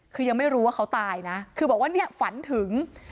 คือยังไม่รู้ว่าเขาตายนะคือบอกว่าเนี่ยฝันถึง